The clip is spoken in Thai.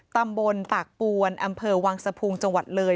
ตำบลปากปวนอำเภอวังสะพุงจังหวัดเลย